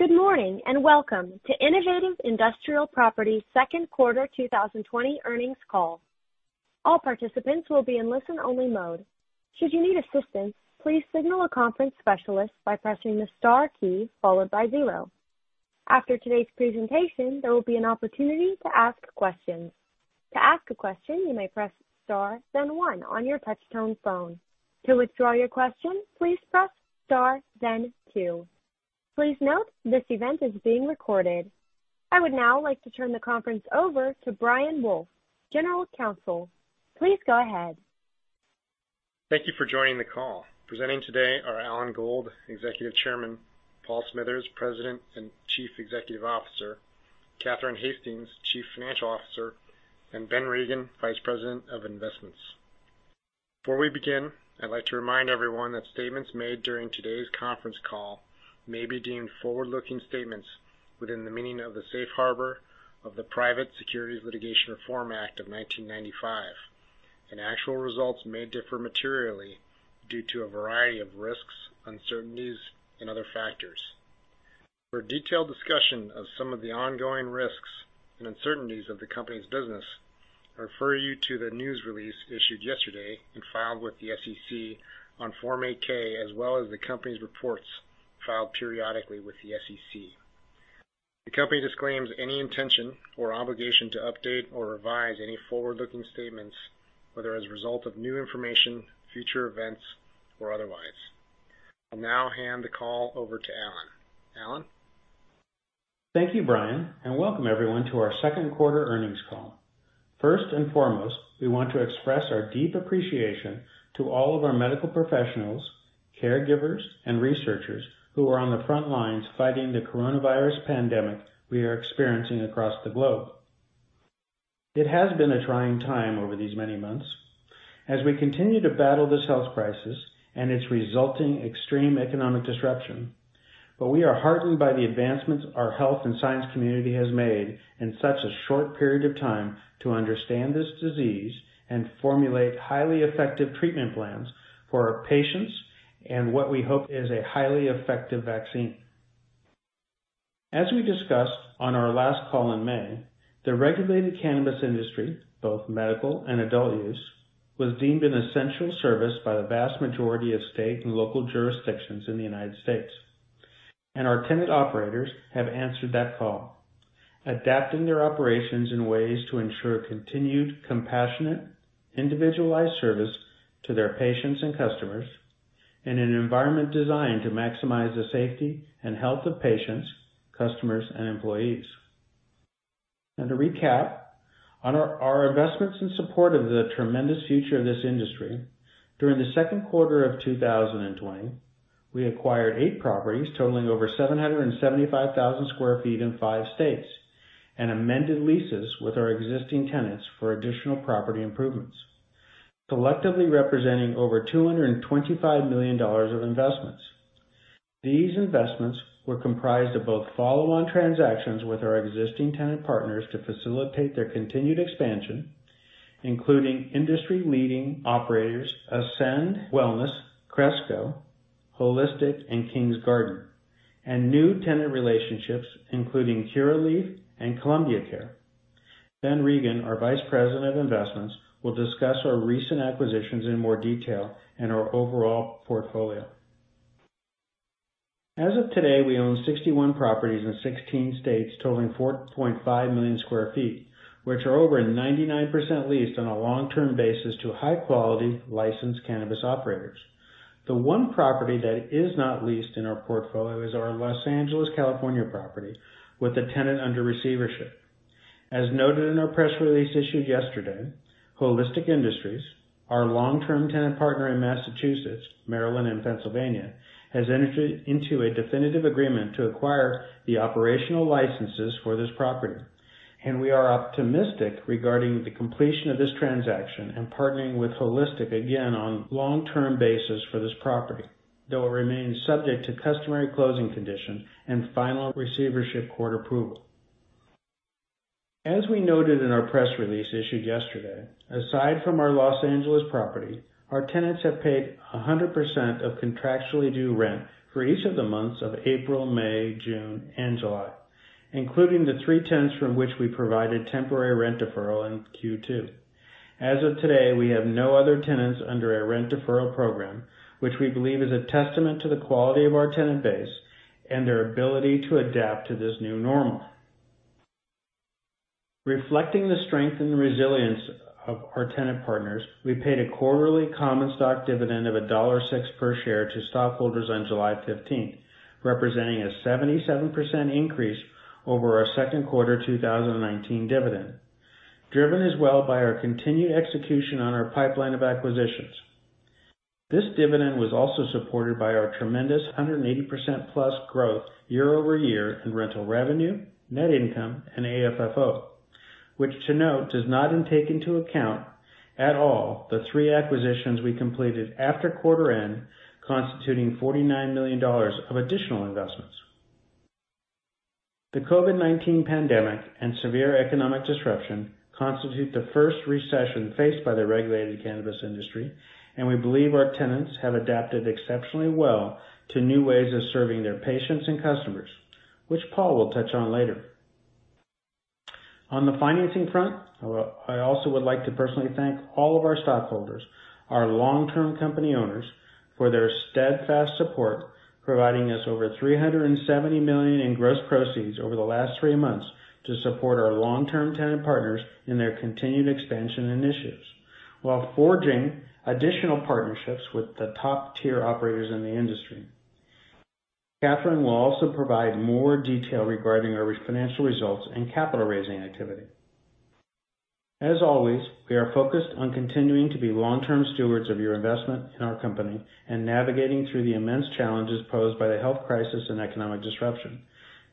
Good morning, welcome to Innovative Industrial Properties Second Quarter 2020 Earnings Call. All participants will be in listen only mode. After today's presentation, there will be an opportunity to ask questions. Please note this event is being recorded. I would now like to turn the conference over to Brian Wolfe, General Counsel. Please go ahead. Thank you for joining the call. Presenting today are Alan D. Gold, Executive Chairman, Paul E. Smithers, President and Chief Executive Officer, Catherine Hastings, Chief Financial Officer, and Ben Regin, Vice President of Investments. Before we begin, I'd like to remind everyone that statements made during today's conference call may be deemed forward-looking statements within the meaning of the safe harbor of the Private Securities Litigation Reform Act of 1995, and actual results may differ materially due to a variety of risks, uncertainties, and other factors. For a detailed discussion of some of the ongoing risks and uncertainties of the company's business, I refer you to the news release issued yesterday and filed with the SEC on Form 8-K as well as the company's reports filed periodically with the SEC. The company disclaims any intention or obligation to update or revise any forward-looking statements, whether as a result of new information, future events, or otherwise. I'll now hand the call over to Alan. Alan? Thank you, Brian, and welcome everyone to our second quarter earnings call. First and foremost, we want to express our deep appreciation to all of our medical professionals, caregivers, and researchers who are on the front lines fighting the coronavirus pandemic we are experiencing across the globe. It has been a trying time over these many months as we continue to battle this health crisis and its resulting extreme economic disruption. We are heartened by the advancements our health and science community has made in such a short period of time to understand this disease and formulate highly effective treatment plans for our patients and what we hope is a highly effective vaccine. As we discussed on our last call in May, the regulated cannabis industry, both medical and adult use, was deemed an essential service by the vast majority of state and local jurisdictions in the U.S., and our tenant operators have answered that call, adapting their operations in ways to ensure continued, compassionate, individualized service to their patients and customers in an environment designed to maximize the safety and health of patients, customers, and employees. To recap on our investments in support of the tremendous future of this industry, during the second quarter of 2020, we acquired eight properties totaling over 775,000 sq ft in five states, and amended leases with our existing tenants for additional property improvements, collectively representing over $225 million of investments. These investments were comprised of both follow-on transactions with our existing tenant partners to facilitate their continued expansion, including industry-leading operators, Ascend Wellness Holdings, Cresco Labs, Holistic Industries, and Kings Garden, and new tenant relationships including Curaleaf and Columbia Care. Ben Regin, our Vice President of Investments, will discuss our recent acquisitions in more detail and our overall portfolio. As of today, we own 61 properties in 16 states totaling 4.5 million sq ft, which are over 99% leased on a long-term basis to high-quality licensed cannabis operators. The one property that is not leased in our portfolio is our Los Angeles, California property with the tenant under receivership. As noted in our press release issued yesterday, Holistic Industries, our long-term tenant partner in Massachusetts, Maryland, and Pennsylvania, has entered into a definitive agreement to acquire the operational licenses for this property, and we are optimistic regarding the completion of this transaction and partnering with Holistic again on long-term basis for this property, though it remains subject to customary closing conditions and final receivership court approval. As we noted in our press release issued yesterday, aside from our Los Angeles property, our tenants have paid 100% of contractually due rent for each of the months of April, May, June, and July, including the three tenants from which we provided temporary rent deferral in Q2. As of today, we have no other tenants under our rent deferral program, which we believe is a testament to the quality of our tenant base and their ability to adapt to this new normal. Reflecting the strength and resilience of our tenant partners, we paid a quarterly common stock dividend of $1.06 per share to stockholders on July 15th, representing a 77% increase over our second quarter 2019 dividend, driven as well by our continued execution on our pipeline of acquisitions. This dividend was also supported by our tremendous 180%+ growth year over year in rental revenue, net income, and AFFO, which to note, does not take into account at all the three acquisitions we completed after quarter end, constituting $49 million of additional investments. The COVID-19 pandemic and severe economic disruption constitute the first recession faced by the regulated cannabis industry, and we believe our tenants have adapted exceptionally well to new ways of serving their patients and customers, which Paul will touch on later. On the financing front, I also would like to personally thank all of our stockholders, our long-term company owners, for their steadfast support, providing us over $370 million in gross proceeds over the last three months to support our long-term tenant partners in their continued expansion initiatives while forging additional partnerships with the top-tier operators in the industry. Catherine will also provide more detail regarding our financial results and capital raising activity. As always, we are focused on continuing to be long-term stewards of your investment in our company and navigating through the immense challenges posed by the health crisis and economic disruption.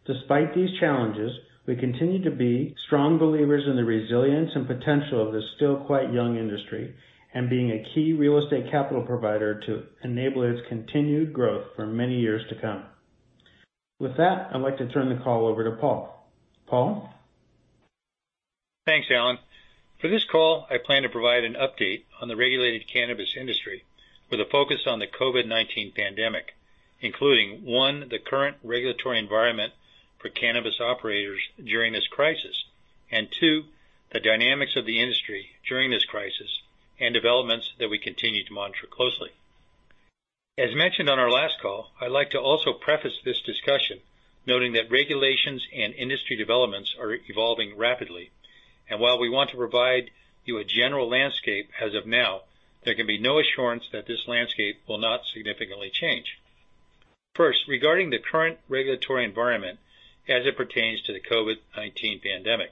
Despite these challenges, we continue to be strong believers in the resilience and potential of this still quite young industry and being a key real estate capital provider to enable its continued growth for many years to come. With that, I'd like to turn the call over to Paul. Paul? Thanks, Alan. For this call, I plan to provide an update on the regulated cannabis industry with a focus on the COVID-19 pandemic, including, one, the current regulatory environment for cannabis operators during this crisis, and two, the dynamics of the industry during this crisis and developments that we continue to monitor closely. As mentioned on our last call, I'd like to also preface this discussion noting that regulations and industry developments are evolving rapidly, and while we want to provide you a general landscape as of now, there can be no assurance that this landscape will not significantly change. First, regarding the current regulatory environment as it pertains to the COVID-19 pandemic.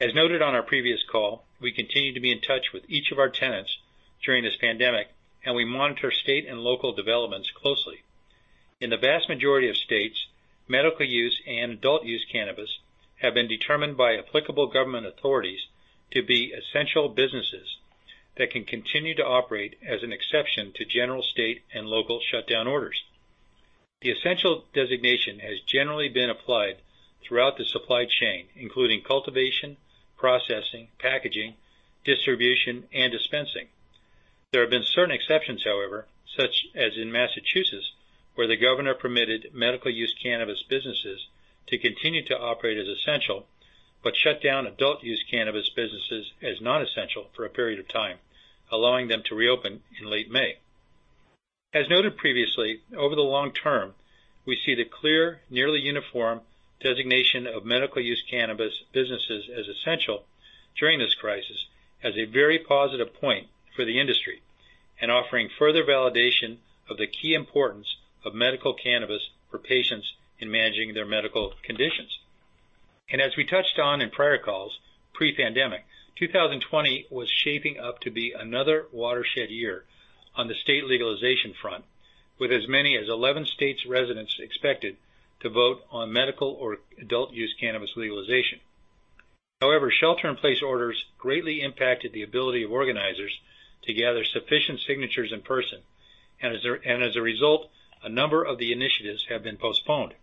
As noted on our previous call, we continue to be in touch with each of our tenants during this pandemic, and we monitor state and local developments closely. In the vast majority of states, medical use and adult use cannabis have been determined by applicable government authorities to be essential businesses that can continue to operate as an exception to general state and local shutdown orders. The essential designation has generally been applied throughout the supply chain, including cultivation, processing, packaging, distribution, and dispensing. There have been certain exceptions, however, such as in Massachusetts, where the governor permitted medical use cannabis businesses to continue to operate as essential, but shut down adult-use cannabis businesses as non-essential for a period of time, allowing them to reopen in late May. As noted previously, over the long term, we see the clear, nearly uniform designation of medical use cannabis businesses as essential during this crisis as a very positive point for the industry and offering further validation of the key importance of medical cannabis for patients in managing their medical conditions. As we touched on in prior calls, pre-pandemic, 2020 was shaping up to be another watershed year on the state legalization front, with as many as 11 states residents expected to vote on medical or adult use cannabis legalization. However, shelter in place orders greatly impacted the ability of organizers to gather sufficient signatures in person, and as a result, a number of the initiatives have been postponed.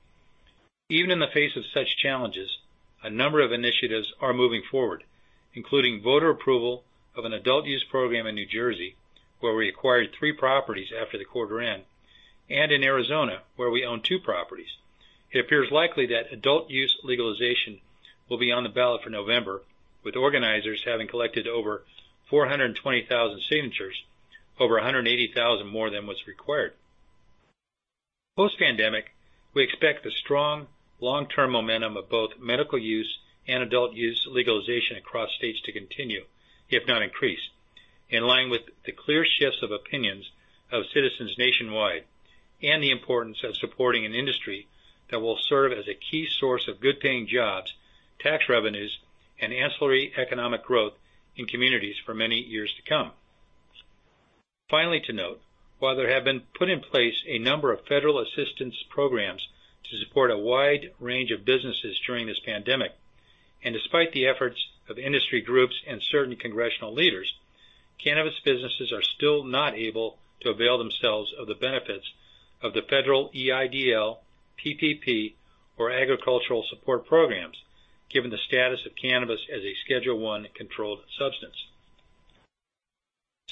Even in the face of such challenges, a number of initiatives are moving forward, including voter approval of an adult use program in New Jersey, where we acquired three properties after the quarter end, and in Arizona, where we own two properties. It appears likely that adult use legalization will be on the ballot for November, with organizers having collected over 420,000 signatures, over 180,000 more than what's required. Post-pandemic, we expect the strong, long-term momentum of both medical use and adult use legalization across states to continue, if not increase, in line with the clear shifts of opinions of citizens nationwide and the importance of supporting an industry that will serve as a key source of good-paying jobs, tax revenues, and ancillary economic growth in communities for many years to come. Finally to note, while there have been put in place a number of federal assistance programs to support a wide range of businesses during this pandemic, and despite the efforts of industry groups and certain congressional leaders, cannabis businesses are still not able to avail themselves of the benefits of the Federal EIDL, PPP, or agricultural support programs, given the status of cannabis as a Schedule I controlled substance.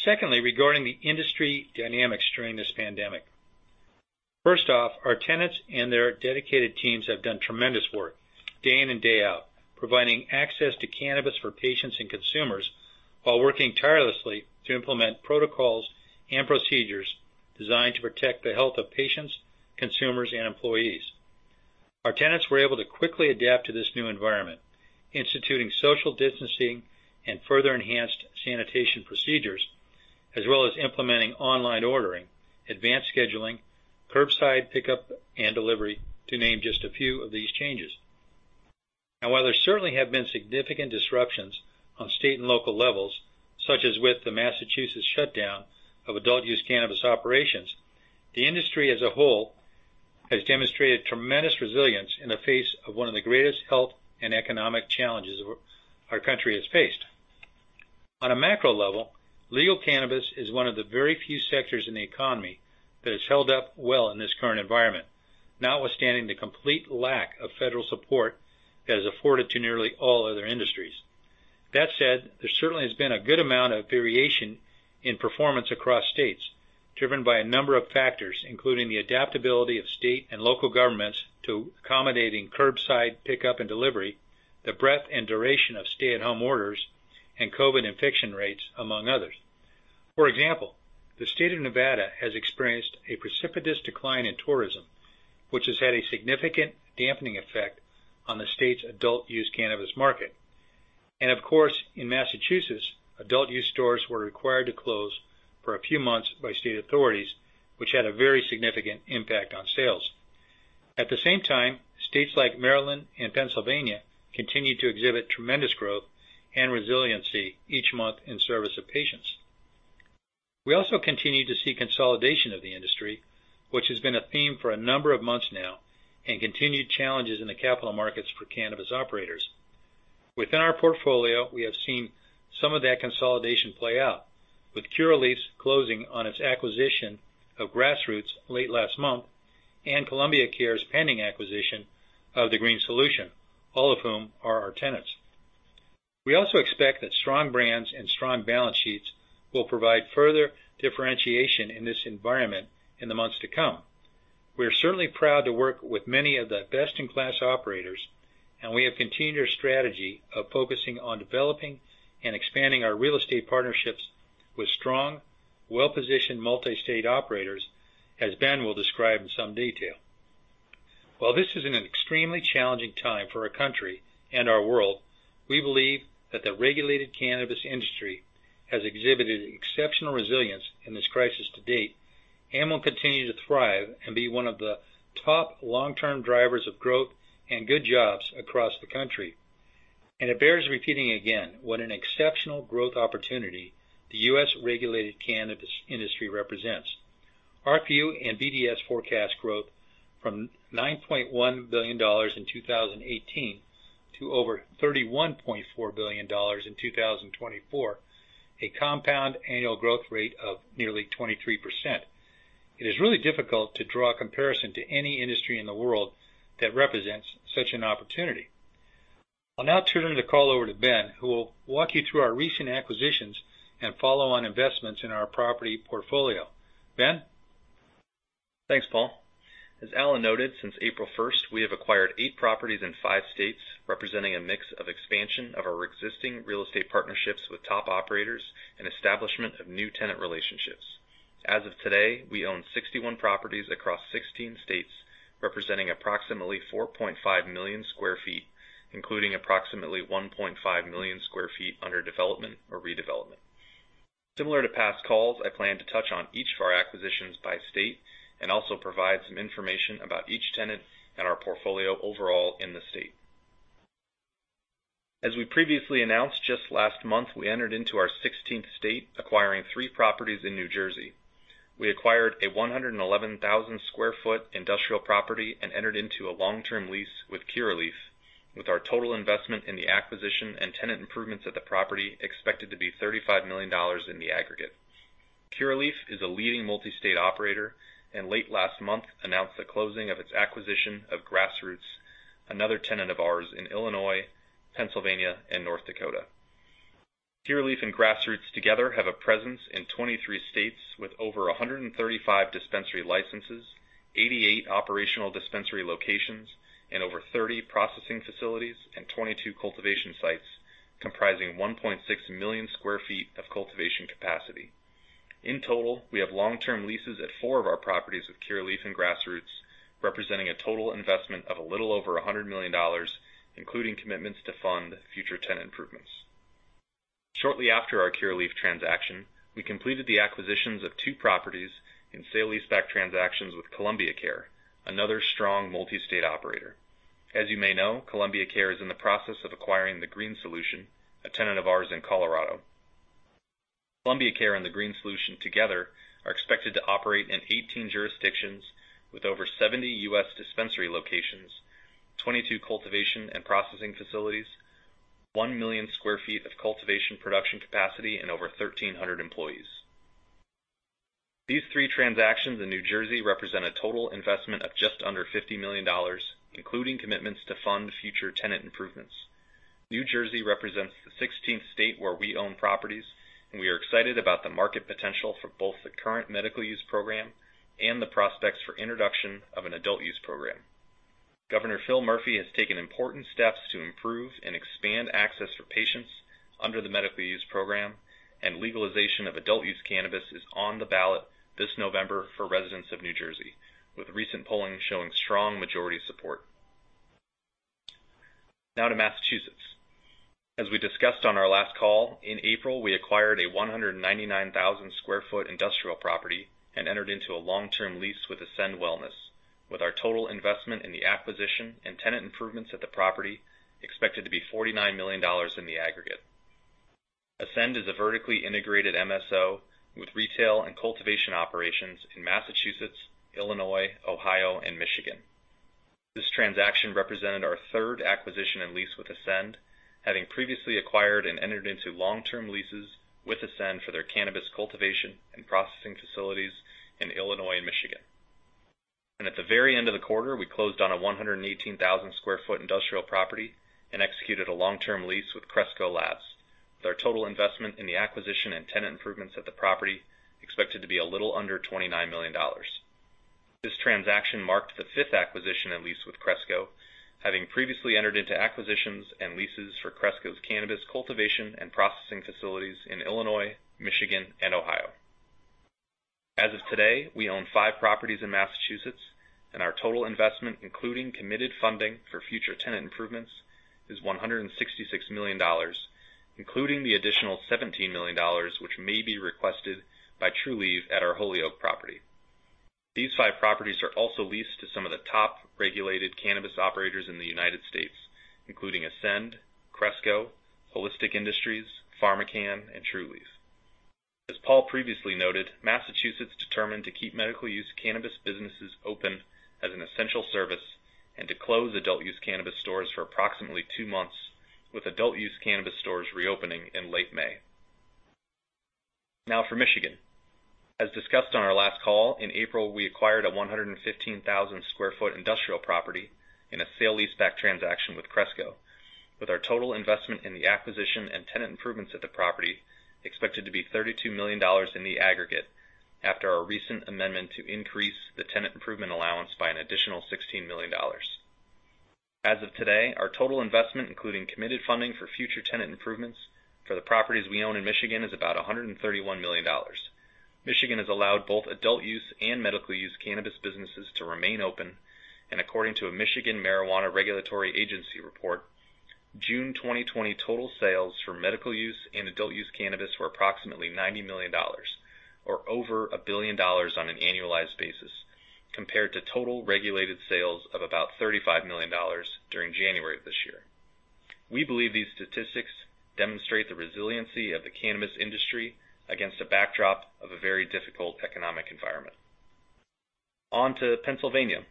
Secondly, regarding the industry dynamics during this pandemic. First off, our tenants and their dedicated teams have done tremendous work day in and day out, providing access to cannabis for patients and consumers while working tirelessly to implement protocols and procedures designed to protect the health of patients, consumers, and employees. Our tenants were able to quickly adapt to this new environment, instituting social distancing and further enhanced sanitation procedures, as well as implementing online ordering, advanced scheduling, curbside pickup, and delivery, to name just a few of these changes. While there certainly have been significant disruptions on state and local levels, such as with the Massachusetts shutdown of adult use cannabis operations, the industry as a whole has demonstrated tremendous resilience in the face of one of the greatest health and economic challenges our country has faced. On a macro level, legal cannabis is one of the very few sectors in the economy that has held up well in this current environment. Notwithstanding the complete lack of federal support that is afforded to nearly all other industries. That said, there certainly has been a good amount of variation in performance across states, driven by a number of factors, including the adaptability of state and local governments to accommodating curbside pickup and delivery, the breadth and duration of stay-at-home orders, and COVID infection rates, among others. The state of Nevada has experienced a precipitous decline in tourism, which has had a significant dampening effect on the state's adult use cannabis market. Of course, in Massachusetts, adult use stores were required to close for a few months by state authorities, which had a very significant impact on sales. At the same time, states like Maryland and Pennsylvania continue to exhibit tremendous growth and resiliency each month in service of patients. We also continue to see consolidation of the industry, which has been a theme for a number of months now, and continued challenges in the capital markets for cannabis operators. Within our portfolio, we have seen some of that consolidation play out, with Curaleaf closing on its acquisition of Grassroots late last month and Columbia Care's pending acquisition of The Green Solution, all of whom are our tenants. We also expect that strong brands and strong balance sheets will provide further differentiation in this environment in the months to come. We are certainly proud to work with many of the best-in-class operators, and we have continued our strategy of focusing on developing and expanding our real estate partnerships with strong, well-positioned multi-state operators, as Ben will describe in some detail. While this is an extremely challenging time for our country and our world, we believe that the regulated cannabis industry has exhibited exceptional resilience in this crisis to date and will continue to thrive and be one of the top long-term drivers of growth and good jobs across the country. It bears repeating again what an exceptional growth opportunity the U.S. regulated cannabis industry represents. Arcview and BDS forecast growth from $9.1 billion in 2018 to over $31.4 billion in 2024, a compound annual growth rate of nearly 23%. It is really difficult to draw a comparison to any industry in the world that represents such an opportunity. I'll now turn the call over to Ben, who will walk you through our recent acquisitions and follow-on investments in our property portfolio. Ben? Thanks, Paul. As Alan noted, since April 1st, we have acquired eight properties in five states, representing a mix of expansion of our existing real estate partnerships with top operators and establishment of new tenant relationships. As of today, we own 61 properties across 16 states, representing approximately 4.5 million sq ft, including approximately 1.5 million sq ft under development or redevelopment. Similar to past calls, I plan to touch on each of our acquisitions by state and also provide some information about each tenant and our portfolio overall in the state. As we previously announced, just last month, we entered into our 16th state, acquiring three properties in New Jersey. We acquired a 111,000 sq ft industrial property and entered into a long-term lease with Curaleaf, with our total investment in the acquisition and tenant improvements at the property expected to be $35 million in the aggregate. Curaleaf is a leading multi-state operator and late last month announced the closing of its acquisition of Grassroots, another tenant of ours in Illinois, Pennsylvania, and North Dakota. Curaleaf and Grassroots together have a presence in 23 states with over 135 dispensary licenses, 88 operational dispensary locations, and over 30 processing facilities and 22 cultivation sites comprising 1.6 million sq ft of cultivation capacity. In total, we have long-term leases at four of our properties with Curaleaf and Grassroots, representing a total investment of a little over $100 million, including commitments to fund future tenant improvements. Shortly after our Curaleaf transaction, we completed the acquisitions of two properties in sale leaseback transactions with Columbia Care, another strong multi-state operator. As you may know, Columbia Care is in the process of acquiring The Green Solution, a tenant of ours in Colorado. Columbia Care and The Green Solution together are expected to operate in 18 jurisdictions with over 70 U.S. dispensary locations, 22 cultivation and processing facilities, 1 million sq ft of cultivation, production capacity, and over 1,300 employees. These three transactions in New Jersey represent a total investment of just under $50 million, including commitments to fund future tenant improvements. New Jersey represents the 16th state where we own properties. We are excited about the market potential for both the current medical use program and the prospects for introduction of an adult use program. Governor Phil Murphy has taken important steps to improve and expand access for patients under the medical use program. Legalization of adult use cannabis is on the ballot this November for residents of New Jersey, with recent polling showing strong majority support. Now to Massachusetts. As we discussed on our last call, in April, we acquired a 199,000 sq ft industrial property and entered into a long-term lease with Ascend Wellness Holdings, with our total investment in the acquisition and tenant improvements at the property expected to be $49 million in the aggregate. Ascend is a vertically integrated MSO with retail and cultivation operations in Massachusetts, Illinois, Ohio, and Michigan. This transaction represented our third acquisition and lease with Ascend, having previously acquired and entered into long-term leases with Ascend for their cannabis cultivation and processing facilities in Illinois and Michigan. At the very end of the quarter, we closed on a 118,000 sq ft industrial property and executed a long-term lease with Cresco Labs. Their total investment in the acquisition and tenant improvements at the property expected to be a little under $29 million. This transaction marked the fifth acquisition and lease with Cresco, having previously entered into acquisitions and leases for Cresco's cannabis cultivation and processing facilities in Illinois, Michigan, and Ohio. As of today, we own five properties in Massachusetts, and our total investment, including committed funding for future tenant improvements, is $166 million, including the additional $17 million, which may be requested by Trulieve at our Holyoke property. These five properties are also leased to some of the top regulated cannabis operators in the United States, including Ascend, Cresco, Holistic Industries, PharmaCann, and Trulieve. As Paul previously noted, Massachusetts determined to keep medical use cannabis businesses open as an essential service and to close adult use cannabis stores for approximately two months, with adult use cannabis stores reopening in late May. Now for Michigan. As discussed on our last call, in April, we acquired a 115,000 sq ft industrial property in a sale leaseback transaction with Cresco, with our total investment in the acquisition and tenant improvements at the property expected to be $32 million in the aggregate after our recent amendment to increase the tenant improvement allowance by an additional $16 million. As of today, our total investment, including committed funding for future tenant improvements for the properties we own in Michigan, is about $131 million. Michigan has allowed both adult use and medical use cannabis businesses to remain open, and according to a Michigan Marijuana Regulatory Agency report, June 2020 total sales for medical use and adult use cannabis were approximately $90 million, or over $1 billion on an annualized basis, compared to total regulated sales of about $35 million during January of this year. We believe these statistics demonstrate the resiliency of the cannabis industry against a backdrop of a very difficult economic environment. On to Pennsylvania.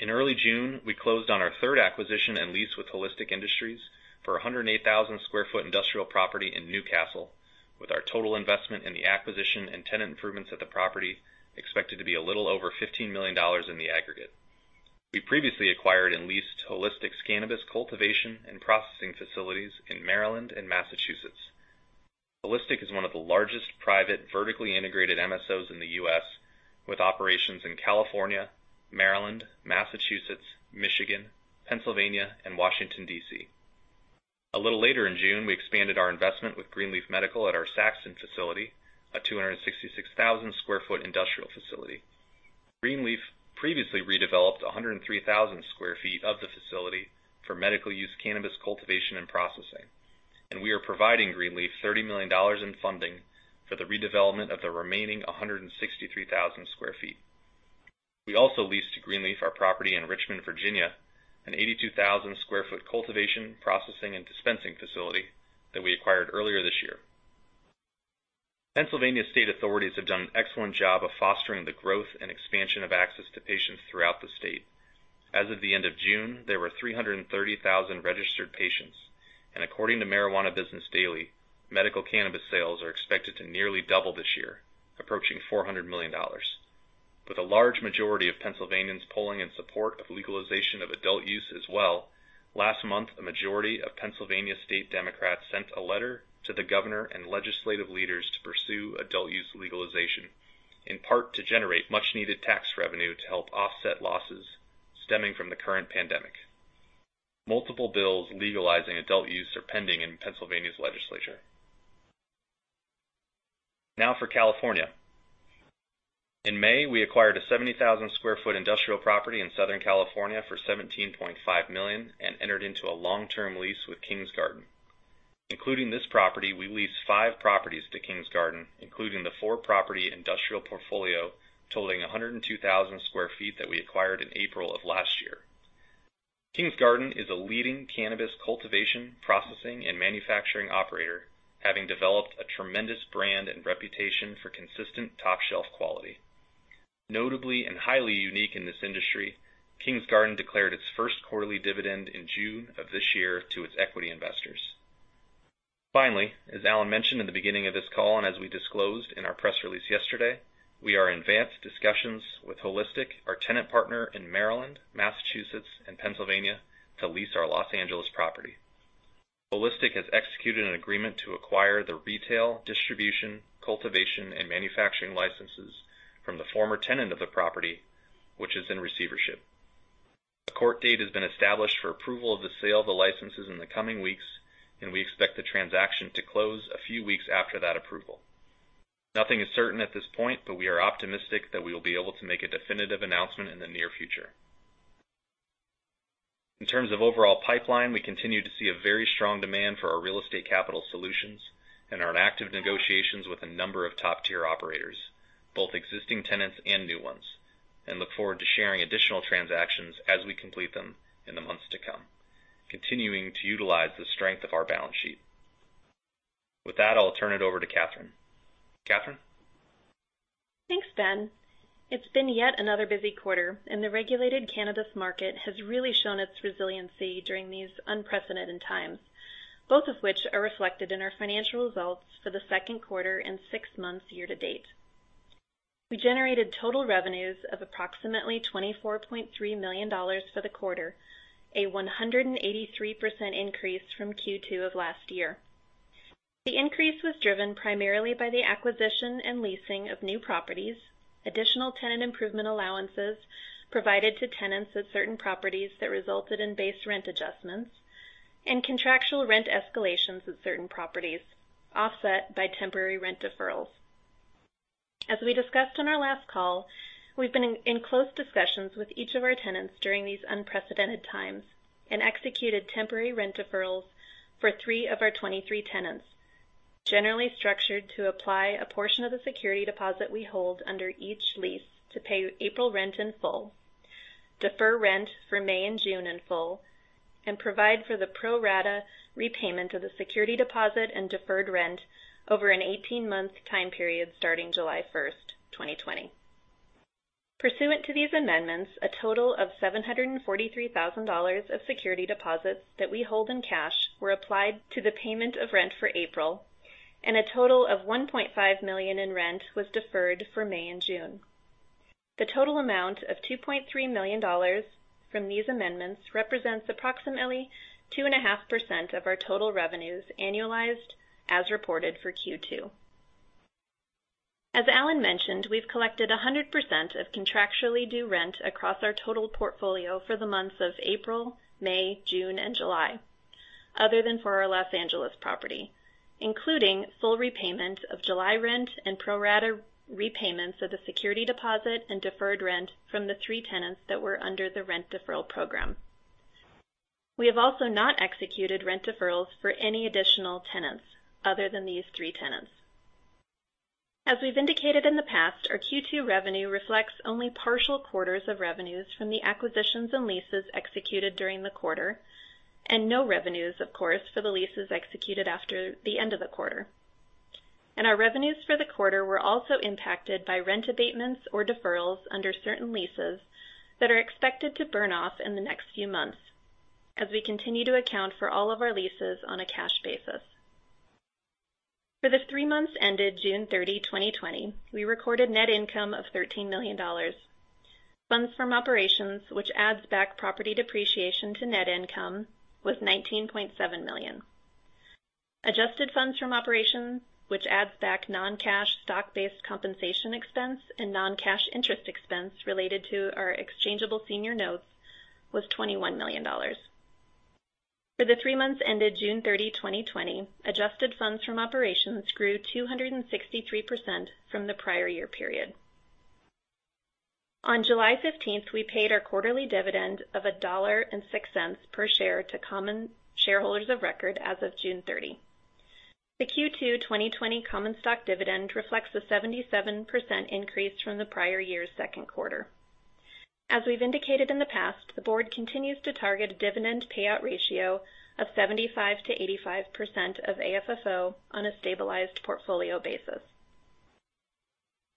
In early June, we closed on our third acquisition and lease with Holistic Industries for 108,000 sq ft industrial property in New Castle, with our total investment in the acquisition and tenant improvements at the property expected to be a little over $15 million in the aggregate. We previously acquired and leased Holistic's cannabis cultivation and processing facilities in Maryland and Massachusetts. Holistic is one of the largest private, vertically integrated MSOs in the U.S., with operations in California, Maryland, Massachusetts, Michigan, Pennsylvania, and Washington, D.C. A little later in June, we expanded our investment with Green Leaf Medical at our Saxton facility, a 266,000 sq ft industrial facility. Green Leaf previously redeveloped 103,000 sq ft of the facility for medical use cannabis cultivation and processing, and we are providing Green Leaf $30 million in funding for the redevelopment of the remaining 163,000 sq ft. We also leased to Green Leaf our property in Richmond, Virginia, an 82,000 sq ft cultivation, processing, and dispensing facility that we acquired earlier this year. Pennsylvania state authorities have done an excellent job of fostering the growth and expansion of access to patients throughout the state. As of the end of June, there were 330,000 registered patients, and according to Marijuana Business Daily, medical cannabis sales are expected to nearly double this year, approaching $400 million. With a large majority of Pennsylvanians polling in support of legalization of adult use as well, last month, a majority of Pennsylvania State Democrats sent a letter to the governor and legislative leaders to pursue adult use legalization, in part to generate much needed tax revenue to help offset losses stemming from the current pandemic. Multiple bills legalizing adult use are pending in Pennsylvania's legislature. Now for California. In May, we acquired a 70,000 sq ft industrial property in Southern California for $17.5 million and entered into a long-term lease with Kings Garden. Including this property, we leased five properties to Kings Garden, including the four property industrial portfolio totaling 102,000 sq ft that we acquired in April of last year. Kings Garden is a leading cannabis cultivation, processing, and manufacturing operator, having developed a tremendous brand and reputation for consistent top-shelf quality. Notably and highly unique in this industry, Kings Garden declared its first quarterly dividend in June of this year to its equity investors. Finally, as Alan mentioned in the beginning of this call, and as we disclosed in our press release yesterday, we are in advanced discussions with Holistic, our tenant partner in Maryland, Massachusetts, and Pennsylvania, to lease our Los Angeles property. Holistic has executed an agreement to acquire the retail, distribution, cultivation, and manufacturing licenses from the former tenant of the property, which is in receivership. A court date has been established for approval of the sale of the licenses in the coming weeks, and we expect the transaction to close a few weeks after that approval. Nothing is certain at this point, but we are optimistic that we will be able to make a definitive announcement in the near future. In terms of overall pipeline, we continue to see a very strong demand for our real estate capital solutions and are in active negotiations with a number of top-tier operators, both existing tenants and new ones, and look forward to sharing additional transactions as we complete them in the months to come, continuing to utilize the strength of our balance sheet. With that, I'll turn it over to Catherine. Catherine? Thanks, Ben. It's been yet another busy quarter, and the regulated cannabis market has really shown its resiliency during these unprecedented times, both of which are reflected in our financial results for the second quarter and six months year-to-date. We generated total revenues of approximately $24.3 million for the quarter, a 183% increase from Q2 of last year. The increase was driven primarily by the acquisition and leasing of new properties, additional tenant improvement allowances provided to tenants at certain properties that resulted in base rent adjustments, and contractual rent escalations at certain properties, offset by temporary rent deferrals. As we discussed on our last call, we've been in close discussions with each of our tenants during these unprecedented times and executed temporary rent deferrals for 23 of our tenants, generally structured to apply a portion of the security deposit we hold under each lease to pay April rent in full, defer rent for May and June in full, and provide for the pro rata repayment of the security deposit and deferred rent over an 18-month time period starting July 1st, 2020. Pursuant to these amendments, a total of $743,000 of security deposits that we hold in cash were applied to the payment of rent for April, and a total of $1.5 million in rent was deferred for May and June. The total amount of $2.3 million from these amendments represents approximately 2.5% of our total revenues annualized as reported for Q2. As Alan mentioned, we've collected 100% of contractually due rent across our total portfolio for the months of April, May, June, and July, other than for our Los Angeles property, including full repayment of July rent and pro rata repayments of the security deposit and deferred rent from the three tenants that were under the rent deferral program. We have also not executed rent deferrals for any additional tenants other than these three tenants. As we've indicated in the past, our Q2 revenue reflects only partial quarters of revenues from the acquisitions and leases executed during the quarter, and no revenues, of course, for the leases executed after the end of the quarter. Our revenues for the quarter were also impacted by rent abatements or deferrals under certain leases that are expected to burn off in the next few months as we continue to account for all of our leases on a cash basis. For the three months ended June 30, 2020, we recorded net income of $13 million. Funds from operations, which adds back property depreciation to net income, was $19.7 million. Adjusted funds from operations, which adds back non-cash stock-based compensation expense and non-cash interest expense related to our exchangeable senior notes, was $21 million. For the three months ended June 30, 2020, Adjusted funds from operations grew 263% from the prior year period. On July 15th, we paid our quarterly dividend of $1.06 per share to common shareholders of record as of June 30. The Q2 2020 common stock dividend reflects a 77% increase from the prior year's second quarter. As we've indicated in the past, the board continues to target a dividend payout ratio of 75% -85% of AFFO on a stabilized portfolio basis.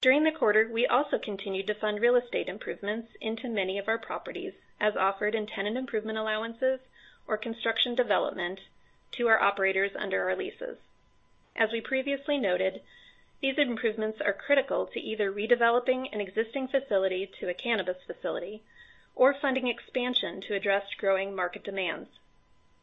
During the quarter, we also continued to fund real estate improvements into many of our properties as offered in tenant improvement allowances or construction development to our operators under our leases. As we previously noted, these improvements are critical to either redeveloping an existing facility to a cannabis facility or funding expansion to address growing market demands.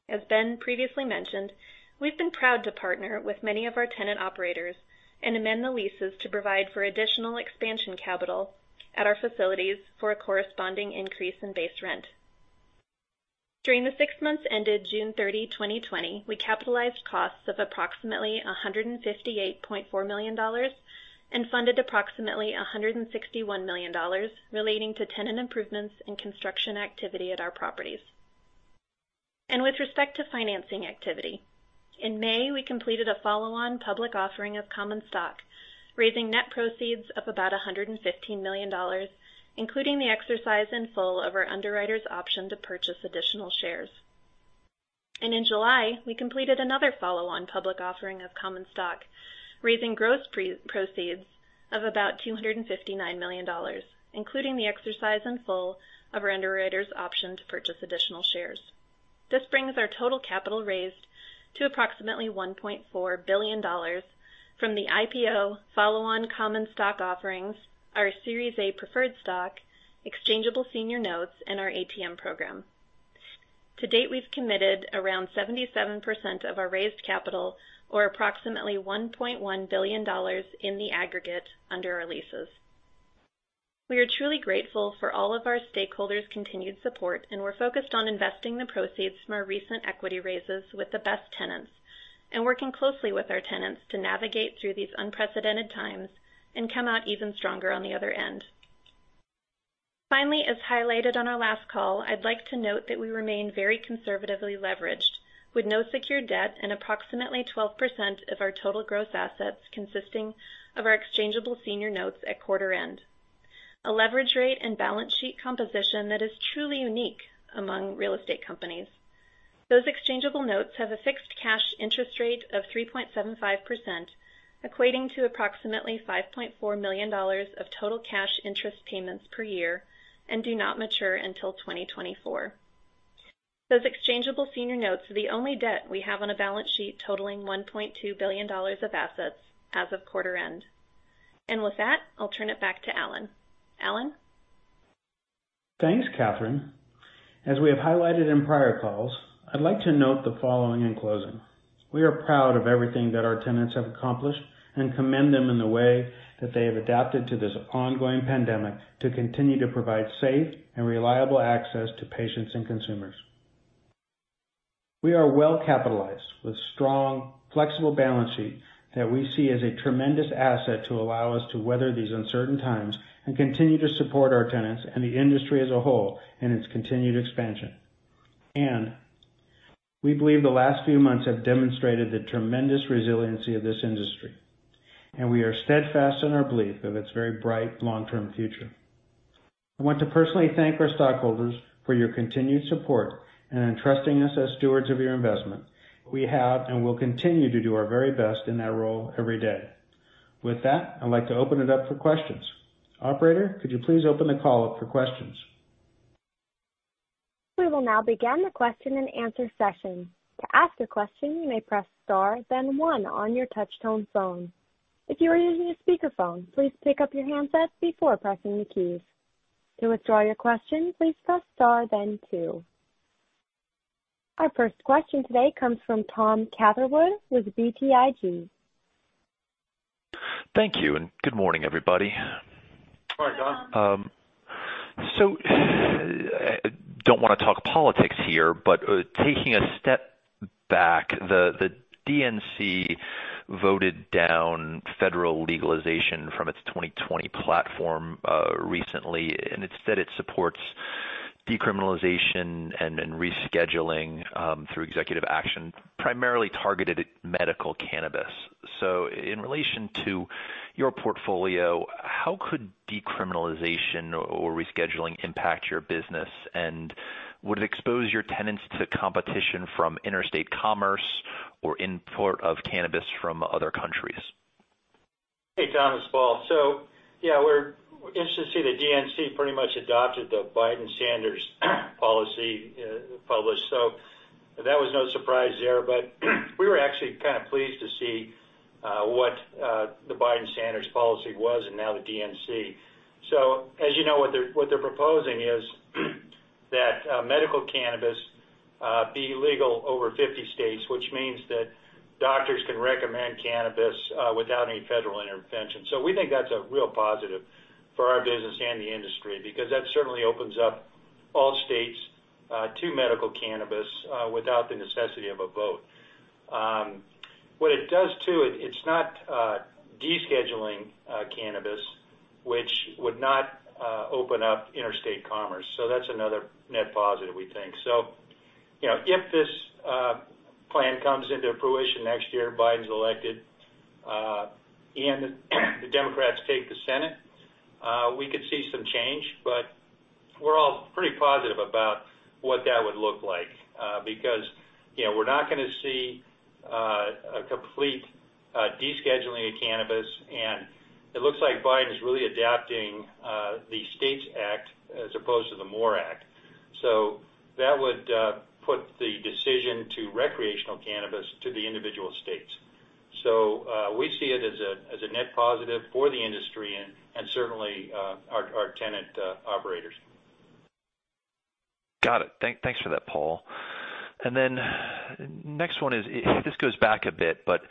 As Ben previously mentioned, we've been proud to partner with many of our tenant operators and amend the leases to provide for additional expansion capital at our facilities for a corresponding increase in base rent. During the six months ended June 30, 2020, we capitalized costs of approximately $158.4 million and funded approximately $161 million relating to tenant improvements and construction activity at our properties. With respect to financing activity, in May, we completed a follow-on public offering of common stock, raising net proceeds of about $115 million, including the exercise in full of our underwriter's option to purchase additional shares. In July, we completed another follow-on public offering of common stock, raising gross proceeds of about $259 million, including the exercise in full of our underwriter's option to purchase additional shares. This brings our total capital raised to approximately $1.4 billion from the IPO follow-on common stock offerings, our Series A preferred stock, exchangeable senior notes, and our ATM program. To date, we've committed around 77% of our raised capital or approximately $1.1 billion in the aggregate under our leases. We are truly grateful for all of our stakeholders' continued support, and we're focused on investing the proceeds from our recent equity raises with the best tenants and working closely with our tenants to navigate through these unprecedented times and come out even stronger on the other end. Finally, as highlighted on our last call, I'd like to note that we remain very conservatively leveraged with no secured debt and approximately 12% of our total gross assets consisting of our exchangeable senior notes at quarter end. A leverage rate and balance sheet composition that is truly unique among real estate companies. Those exchangeable notes have a fixed cash interest rate of 3.75%, equating to approximately $5.4 million of total cash interest payments per year, and do not mature until 2024. Those exchangeable senior notes are the only debt we have on a balance sheet totaling $1.2 billion of assets as of quarter end. With that, I'll turn it back to Alan. Alan? Thanks, Catherine. As we have highlighted in prior calls, I'd like to note the following in closing. We are proud of everything that our tenants have accomplished, and commend them in the way that they have adapted to this ongoing pandemic to continue to provide safe and reliable access to patients and consumers. We are well capitalized with strong, flexible balance sheet that we see as a tremendous asset to allow us to weather these uncertain times and continue to support our tenants and the industry as a whole in its continued expansion. We believe the last few months have demonstrated the tremendous resiliency of this industry, and we are steadfast in our belief of its very bright long-term future. I want to personally thank our stockholders for your continued support in entrusting us as stewards of your investment. We have, and will continue to do our very best in that role every day. With that, I'd like to open it up for questions. Operator, could you please open the call up for questions? We will now begin the question and answer session to ask a question. You may press star then one on your touch-tone phone, if you are using a speakerphone, please pick up your handsets before pressing the keys. To withdraw your question, please press star then two. Our first question today comes from Tom Catherwood with BTIG. Thank you. Good morning, everybody. Hi, Tom. I don't want to talk politics here, but taking a step back, the DNC voted down Federal legalization from its 2020 platform recently. Instead, it supports decriminalization and rescheduling through executive action, primarily targeted at medical cannabis. In relation to your portfolio, how could decriminalization or rescheduling impact your business? Would it expose your tenants to competition from interstate commerce or import of cannabis from other countries? Hey, Tom, it's Paul. Yeah, we're interested to see the DNC pretty much adopted the Biden-Sanders policy published. That was no surprise there. We were actually kind of pleased to see what the Biden-Sanders policy was and now the DNC. As you know, what they're proposing is that medical cannabis be legal over 50 states, which means that doctors can recommend cannabis without any federal intervention. We think that's a real positive for our business and the industry, because that certainly opens up all states to medical cannabis without the necessity of a vote. What it does, too, it's not descheduling cannabis, which would not open up interstate commerce. That's another net positive, we think. If this plan comes into fruition next year, Biden's elected, and the Democrats take the Senate, we could see some change. We're all pretty positive about what that would look like, because we're not going to see a complete descheduling of cannabis, and it looks like Biden is really adapting the STATES Act as opposed to the MORE Act. That would put the decision to recreational cannabis to the individual states. We see it as a net positive for the industry and certainly our tenant operators. Got it. Thanks for that, Paul. Next one is, this goes back a bit, but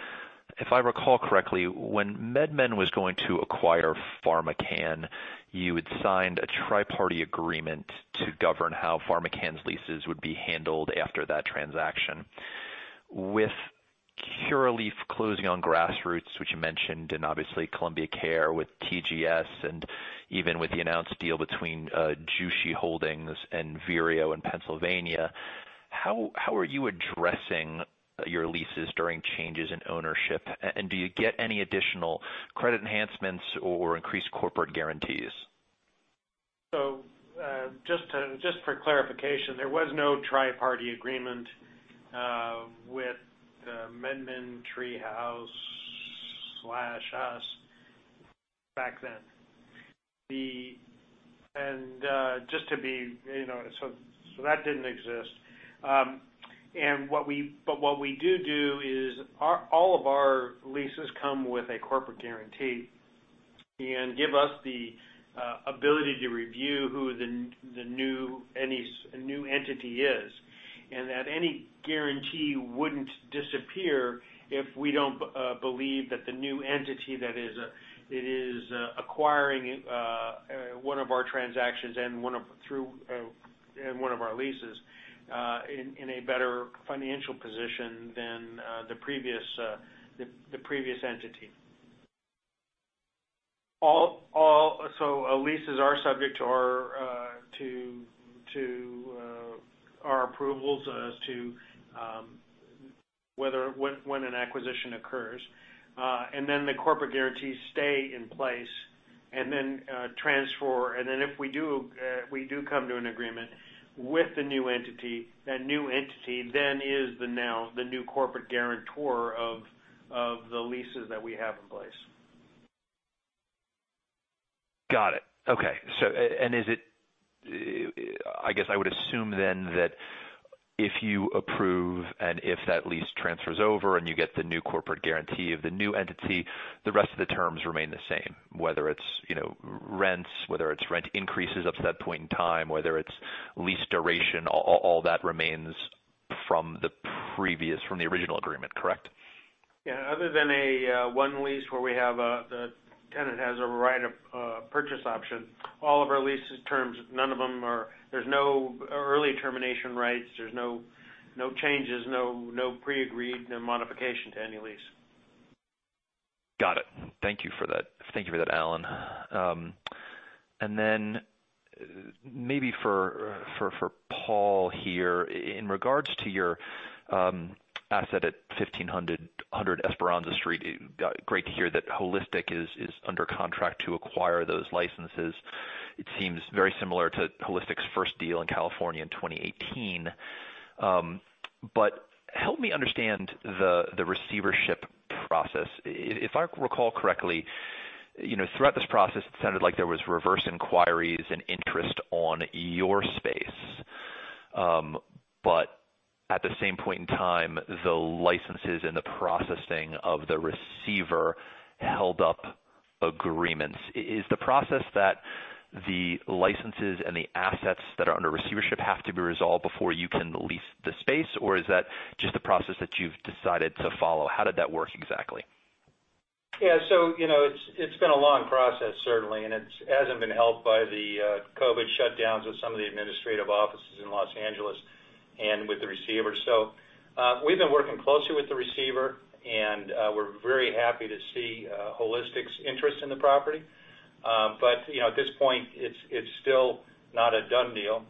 if I recall correctly, when MedMen Enterprises Inc. was going to acquire PharmaCann, you had signed a tri-party agreement to govern how PharmaCann's leases would be handled after that transaction. With Curaleaf closing on Grassroots, which you mentioned, obviously Columbia Care with TGS and even with the announced deal between Jushi Holdings and Vireo Health in Pennsylvania, how are you addressing your leases during changes in ownership? Do you get any additional credit enhancements or increased corporate guarantees? Just for clarification, there was no tri-party agreement with MedMen Enterprises Inc., Treehouse, us back then. That didn't exist. What we do is all of our leases come with a corporate guarantee and give us the ability to review who any new entity is, and that any guarantee wouldn't disappear if we don't believe that the new entity that is acquiring one of our transactions and one of our leases in a better financial position than the previous entity. Leases are subject to Our approvals as to when an acquisition occurs. The corporate guarantees stay in place and then transfer. If we do come to an agreement with the new entity, that new entity then is the new corporate guarantor of the leases that we have in place. Got it. Okay. I guess I would assume that if you approve and if that lease transfers over and you get the new corporate guarantee of the new entity, the rest of the terms remain the same, whether it's rents, whether it's rent increases up to that point in time, whether it's lease duration, all that remains from the original agreement, correct? Other than one lease where we have the tenant has a right of purchase option, all of our leases terms, there's no early termination rights. There's no changes, no pre-agreed, no modification to any lease. Got it. Thank you for that, Alan. Maybe for Paul here, in regards to your asset at 1500 Esperanza Street, great to hear that Holistic Industries is under contract to acquire those licenses. It seems very similar to Holistic Industries' first deal in California in 2018. Help me understand the receivership process. If I recall correctly, throughout this process, it sounded like there was reverse inquiries and interest on your space. At the same point in time, the licenses and the processing of the receiver held up agreements. Is the process that the licenses and the assets that are under receivership have to be resolved before you can lease the space, or is that just a process that you've decided to follow? How did that work exactly? Yeah. It's been a long process, certainly, and it hasn't been helped by the COVID shutdowns of some of the administrative offices in Los Angeles and with the receiver. We've been working closely with the receiver, and we're very happy to see Holistic's interest in the property. At this point, it's still not a done deal.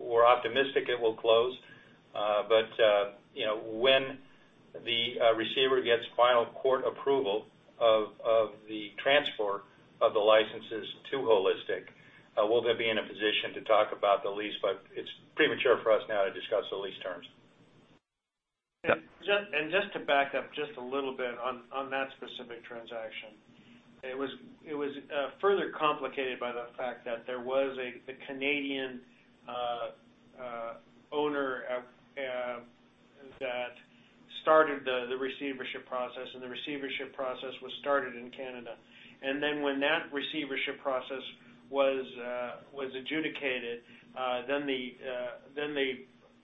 We're optimistic it will close. When the receiver gets final court approval of the transfer of the licenses to Holistic, we'll then be in a position to talk about the lease, but it's premature for us now to discuss the lease terms. Just to back up just a little bit on that specific transaction, it was further complicated by the fact that there was a Canadian owner that started the receivership process, and the receivership process was started in Canada. When that receivership process was adjudicated, then the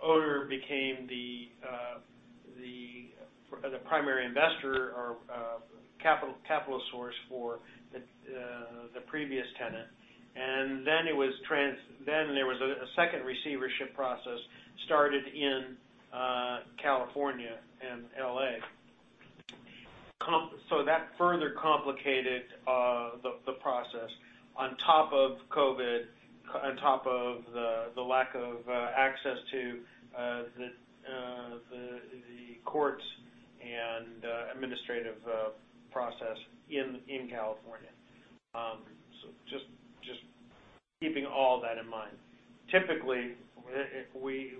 owner became the primary investor or capital source for the previous tenant. There was a second receivership process started in California and L.A. That further complicated the process on top of COVID, on top of the lack of access to the courts and administrative process in California. Just keeping all that in mind. Typically, we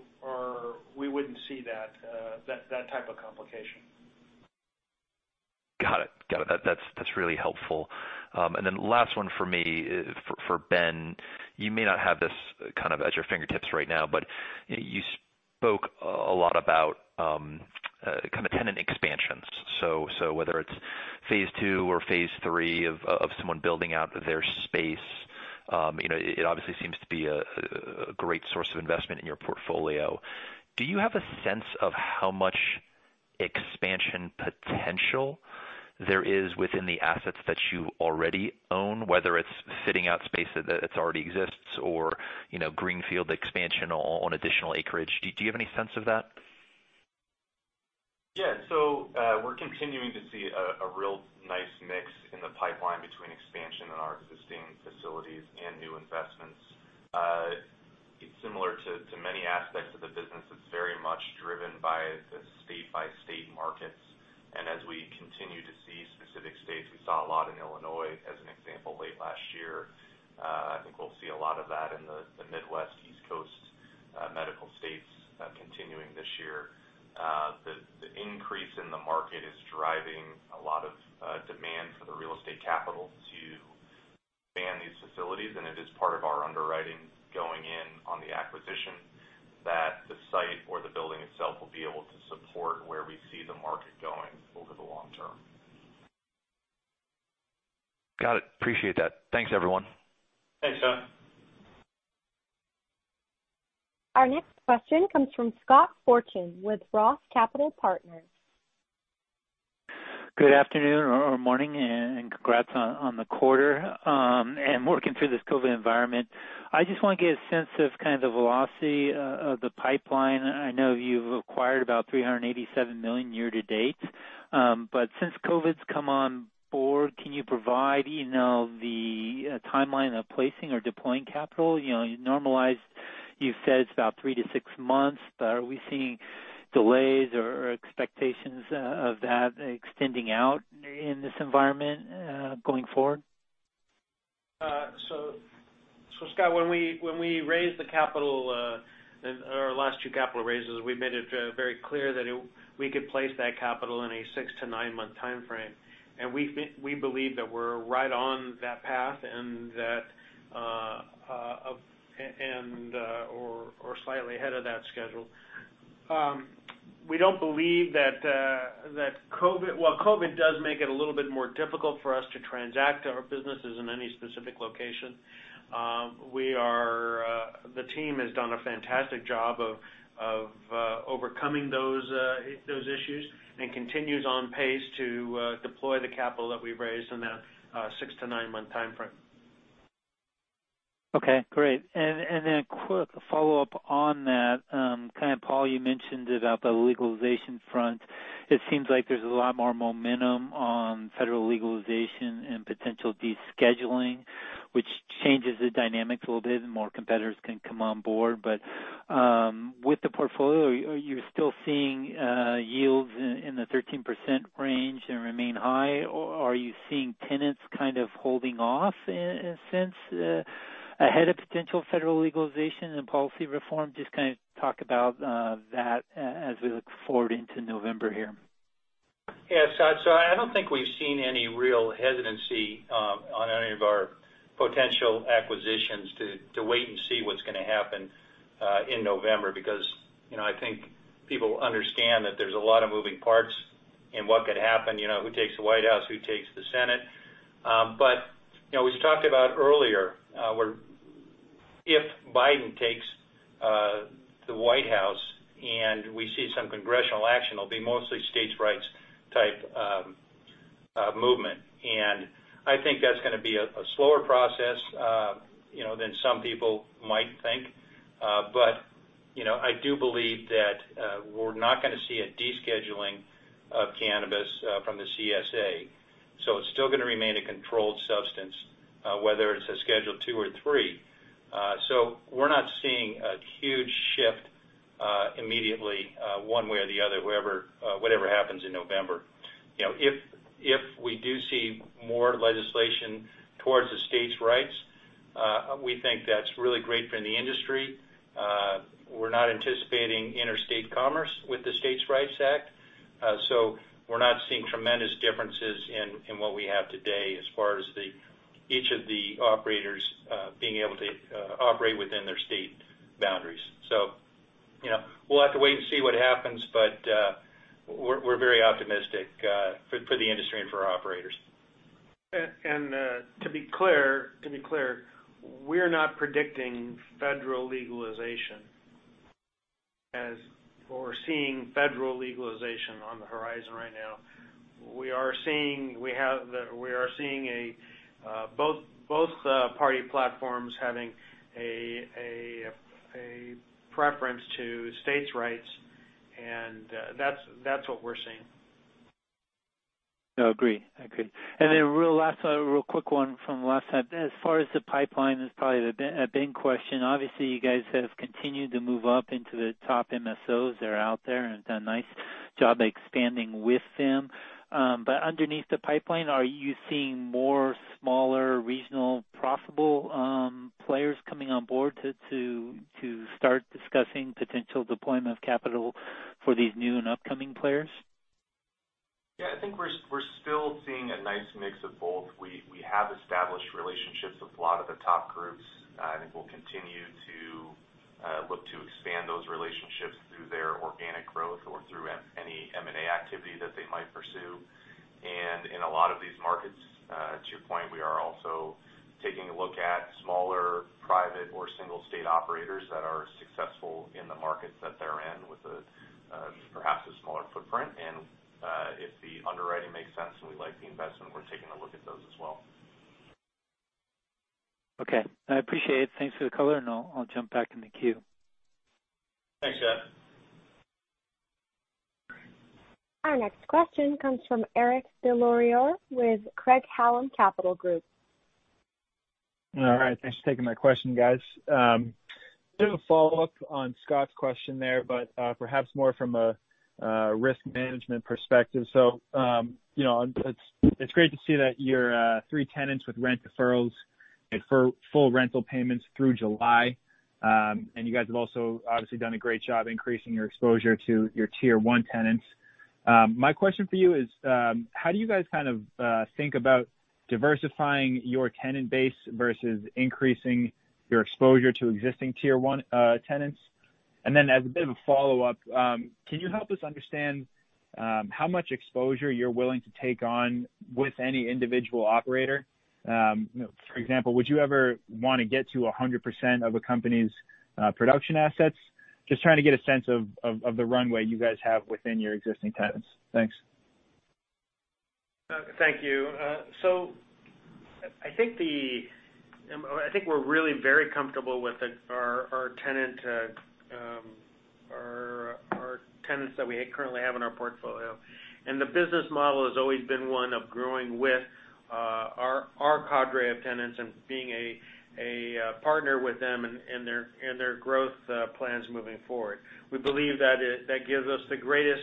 wouldn't see that type of complication. Got it. That's really helpful. Last one for me, for Ben Regin, you may not have this at your fingertips right now, but you spoke a lot about tenant expansions. Whether it's phase 2 or phase 3 of someone building out their space, it obviously seems to be a great source of investment in your portfolio. Do you have a sense of how much expansion potential there is within the assets that you already own, whether it's sitting out space that already exists or greenfield expansion on additional acreage? Do you have any sense of that? Yeah. We're continuing to see a real nice mix in the pipeline between expansion in our existing facilities and new investments. It's similar to many aspects of the business, it's very much driven by the state-by-state markets. As we continue to see specific states, we saw a lot in Illinois as an example late last year. I think we'll see a lot of that in the Midwest, East Coast medical states continuing this year. The increase in the market is driving a lot of demand for the real estate capital to expand these facilities, and it is part of our underwriting going in on the acquisition that the site or the building itself will be able to support where we see the market going over the long term. Got it. Appreciate that. Thanks, everyone. Thanks, John. Our next question comes from Scott Fortune with ROTH Capital Partners. Good afternoon or morning, congrats on the quarter and working through this COVID environment. I just want to get a sense of kind of the velocity of the pipeline. I know you've acquired about $387 million year-to-date. Since COVID's come on board, can you provide the timeline of placing or deploying capital normalized? You said it's about three to six months, but are we seeing delays or expectations of that extending out in this environment going forward? Scott, when we raised our last two capital raises, we made it very clear that we could place that capital in a six to nine-month timeframe. We believe that we're right on that path or slightly ahead of that schedule. While COVID does make it a little bit more difficult for us to transact our businesses in any specific location, the team has done a fantastic job of overcoming those issues and continues on pace to deploy the capital that we've raised in that six to nine-month timeframe. Okay, great. A quick follow-up on that. Paul, you mentioned about the legalization front. It seems like there's a lot more momentum on federal legalization and potential descheduling, which changes the dynamics a little bit, and more competitors can come on board. With the portfolio, are you still seeing yields in the 13% range and remain high, or are you seeing tenants kind of holding off in a sense, ahead of potential federal legalization and policy reform? Just talk about that as we look forward into November here? Yeah, Scott. I don't think we've seen any real hesitancy on any of our potential acquisitions to wait and see what's going to happen in November, because I think people understand that there's a lot of moving parts in what could happen. Who takes the White House, who takes the Senate. We talked about earlier, if Biden takes the White House and we see some congressional action, it'll be mostly states rights type of movement. I think that's going to be a slower process than some people might think. I do believe that we're not going to see a descheduling of cannabis from the CSA. It's still going to remain a controlled substance, whether it's a Schedule II or III. We're not seeing a huge shift immediately one way or the other, whatever happens in November. If we do see more legislation towards the states' rights, we think that's really great for the industry. We're not anticipating interstate commerce with the STATES Act. We're not seeing tremendous differences in what we have today as far as each of the operators being able to operate within their state boundaries. We'll have to wait and see what happens, but we're very optimistic for the industry and for our operators. To be clear, we're not predicting federal legalization as, or seeing federal legalization on the horizon right now. We are seeing both party platforms having a preference to states' rights, and that's what we're seeing. No, agreed. Real last, a real quick one from last time. As far as the pipeline, it's probably a big question. Obviously, you guys have continued to move up into the top MSOs that are out there and have done a nice job expanding with them. Underneath the pipeline, are you seeing more smaller, regional, profitable players coming on board to start discussing potential deployment of capital for these new and upcoming players? Yeah, I think we're still seeing a nice mix of both. We have established relationships with a lot of the top groups. I think we'll continue to look to expand those relationships through their organic growth or through any M&A activity that they might pursue. In a lot of these markets, to your point, we are also taking a look at smaller, private, or single-state operators that are successful in the markets that they're in with perhaps a smaller footprint. If the underwriting makes sense and we like the investment, we're taking a look at those as well. Okay. I appreciate it. Thanks for the color, and I'll jump back in the queue. Thanks, Scott. Our next question comes from Eric Des Lauriers with Craig-Hallum Capital Group. All right, thanks for taking my question, guys. A follow-up on Scott's question there, perhaps more from a risk management perspective. It's great to see that your three tenants with rent deferrals get full rental payments through July. You guys have also obviously done a great job increasing your exposure to your tier 1 tenants. My question for you is, how do you guys think about diversifying your tenant base versus increasing your exposure to existing tier 1 tenants? As a bit of a follow-up, can you help us understand how much exposure you're willing to take on with any individual operator? For example, would you ever want to get to 100% of a company's production assets? Trying to get a sense of the runway you guys have within your existing tenants. Thanks. Thank you. I think we're really very comfortable with our tenants that we currently have in our portfolio. The business model has always been one of growing with our cadre of tenants and being a partner with them in their growth plans moving forward. We believe that gives us the greatest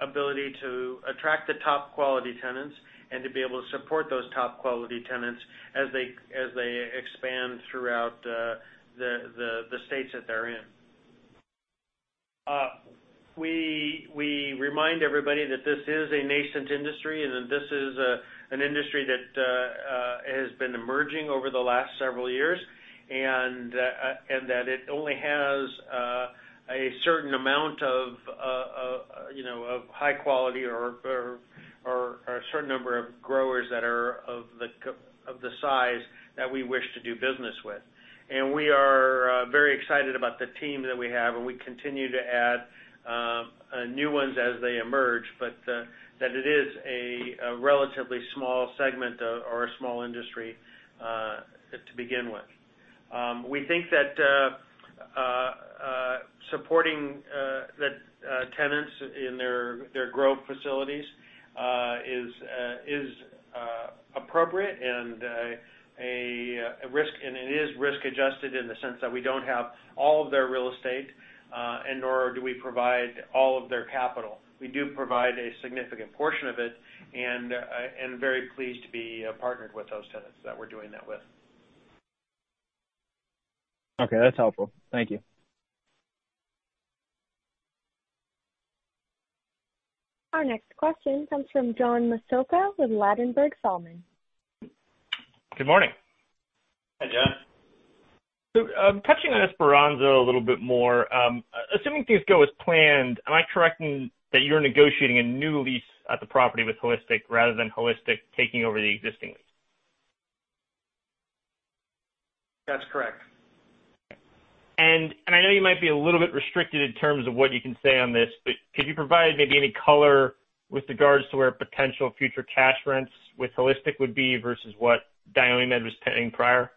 ability to attract the top quality tenants and to be able to support those top quality tenants as they expand throughout the states that they're in. We remind everybody that this is a nascent industry, and that this is an industry that has been emerging over the last several years, and that it only has a certain amount of high quality or a certain number of growers that are of the size that we wish to do business with. We are very excited about the team that we have, and we continue to add new ones as they emerge, but that it is a relatively small segment or a small industry to begin with. We think that supporting the tenants in their growth facilities is appropriate and it is risk-adjusted in the sense that we don't have all of their real estate and nor do we provide all of their capital. We do provide a significant portion of it and very pleased to be partnered with those tenants that we're doing that with. Okay, that's helpful. Thank you. Our next question comes from John Massocca with Ladenburg Thalmann. Good morning. Hi, John. Touching on Esperanza a little bit more. Assuming things go as planned, am I correct in that you're negotiating a new lease at the property with Holistic rather than Holistic taking over the existing lease? That's correct. I know you might be a little bit restricted in terms of what you can say on this, but could you provide maybe any color with regards to where potential future cash rents with Holistic would be versus what DionyMed was paying prior?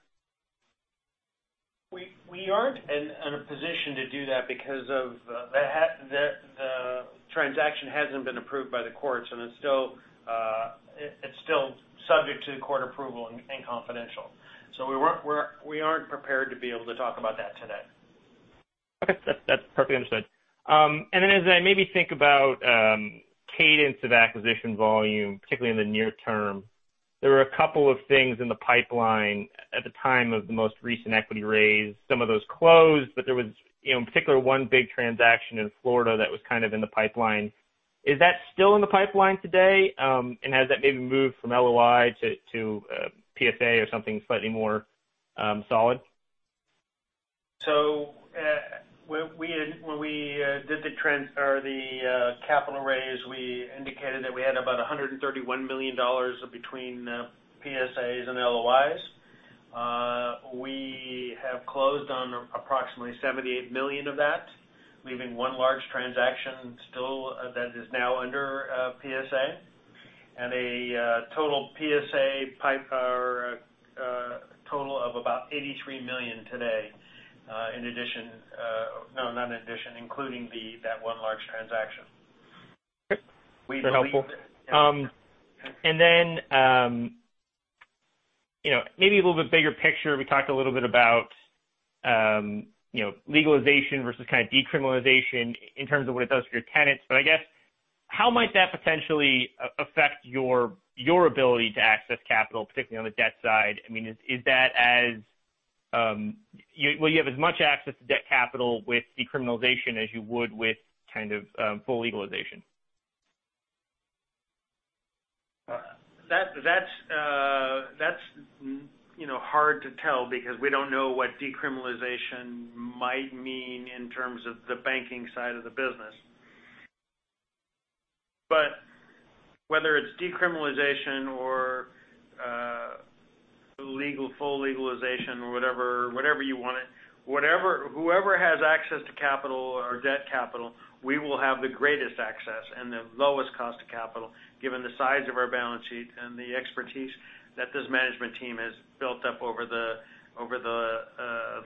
We aren't in a position to do that because the transaction hasn't been approved by the courts, and it's still subject to court approval and confidential. We aren't prepared to be able to talk about that today. Okay. That's perfectly understood. As I maybe think about cadence of acquisition volume, particularly in the near term, there were a couple of things in the pipeline at the time of the most recent equity raise. Some of those closed, there was in particular one big transaction in Florida that was kind of in the pipeline. Is that still in the pipeline today? Has that maybe moved from LOI to PSA or something slightly more solid? When we did the capital raise, we indicated that we had about $131 million of between PSAs and LOIs. We have closed on approximately $78 million of that, leaving one large transaction still that is now under PSA, and a total of about $83 million today including that one large transaction. Okay. Very helpful. Then maybe a little bit bigger picture, we talked a little bit about legalization versus kind of decriminalization in terms of what it does for your tenants. I guess, how might that potentially affect your ability to access capital, particularly on the debt side? Will you have as much access to debt capital with decriminalization as you would with full legalization? That's hard to tell because we don't know what decriminalization might mean in terms of the banking side of the business. Whether it's decriminalization or full legalization or whatever you want it, whoever has access to capital or debt capital, we will have the greatest access and the lowest cost of capital, given the size of our balance sheet and the expertise that this management team has built up over the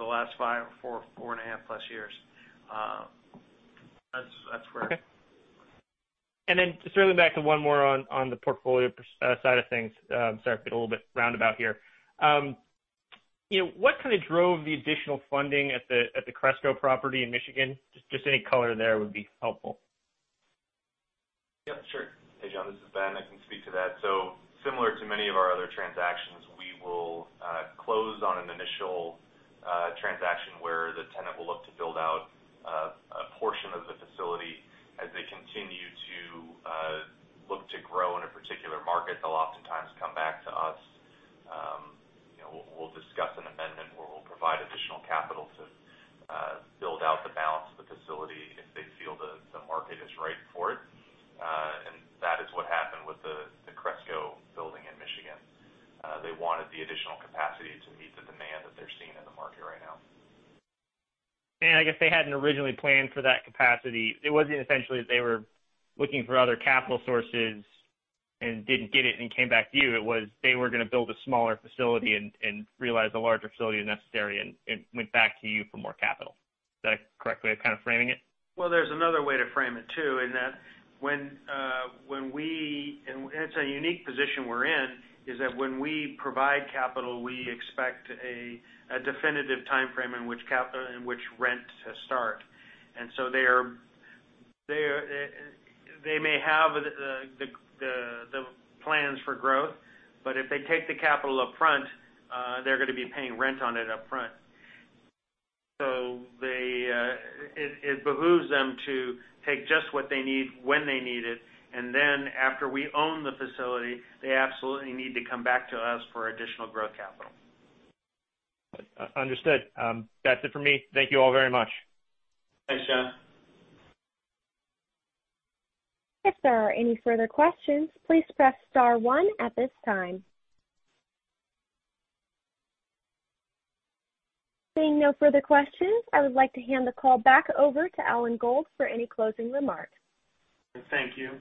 last 4.5+ years. That's where. Okay. Just circling back to one more on the portfolio side of things. Sorry for being a little bit roundabout here. What drove the additional funding at the Cresco property in Michigan? Just any color there would be helpful. Yeah, sure. Hey, John, this is Ben. I can speak to that. Similar to many of our other transactions, we will close on an initial transaction where the tenant will look to build out a portion of the facility as they continue to look to grow in a particular market. They'll oftentimes come back to us. We'll discuss an amendment where we'll provide additional capital to build out the balance of the facility if they feel the market is right for it. That is what happened with the Cresco building in Michigan. They wanted the additional capacity to meet the demand that they're seeing in the market right now. I guess they hadn't originally planned for that capacity. It wasn't essentially that they were looking for other capital sources and didn't get it and came back to you. It was they were going to build a smaller facility and realized a larger facility is necessary and went back to you for more capital. Is that a correct way of kind of framing it? Well, there's another way to frame it too, in that it's a unique position we're in, is that when we provide capital, we expect a definitive timeframe in which rent to start. They may have the plans for growth, but if they take the capital up front, they're going to be paying rent on it upfront. It behooves them to take just what they need when they need it, and then after we own the facility, they absolutely need to come back to us for additional growth capital. Understood. That's it for me. Thank you all very much. Thanks, John. If there are any further questions, please press star one at this time. Seeing no further questions, I would like to hand the call back over to Alan D. Gold for any closing remarks. Thank you.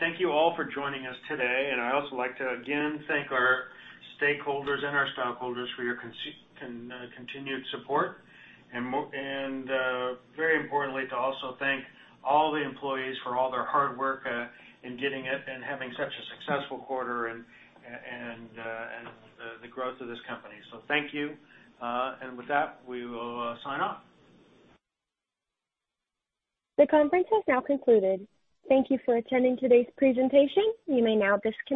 Thank you all for joining us today. I'd also like to again thank our stakeholders and our stockholders for your continued support. Very importantly, to also thank all the employees for all their hard work in getting it and having such a successful quarter and the growth of this company. Thank you. With that, we will sign off. The conference is now concluded. Thank you for attending today's presentation. You may now disconnect.